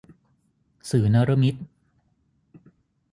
สื่อนฤมิต